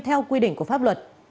theo quy định của pháp luật